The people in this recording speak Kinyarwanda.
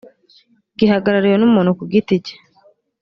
gihagarariwe n umuntu ku giti cye